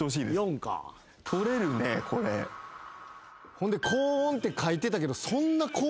ほんで「高音」って書いてたけど。